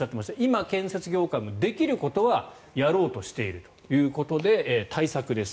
今、建設業界もできることはやろうとしているということで対策です。